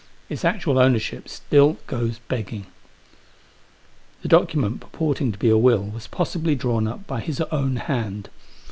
Its actual ownership still goes begging. The document purporting to be a will was possibly drawn up by his own hand.